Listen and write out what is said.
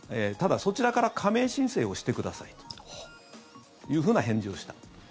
ただ、そちらから加盟申請をしてくださいというふうな返事をした。